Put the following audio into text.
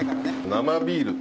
生ビールと。